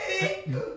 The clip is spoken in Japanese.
えっ？